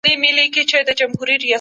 مشران چیري د وینا ازادي تمرینوي؟